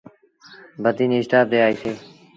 بدين اسٽآپ تي آئيٚسي۔